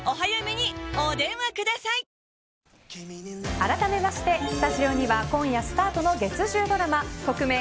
あらためましてスタジオには今夜スタートの月１０ドラマトクメイ！